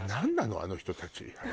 あの人たち。